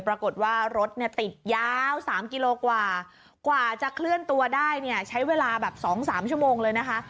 ปรากฏว่ารถเนี่ยติดยาว๓กิโลกว่ากว่าจะเคลื่อนตัวได้เนี่ยใช้เวลาแบบ๒๓ชั่วโมงเลยนะคะ